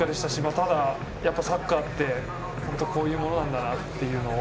ただ、サッカーって本当こういうものなんだっていうのを。